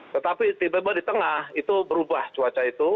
tetapi tiba tiba di tengah itu berubah cuaca itu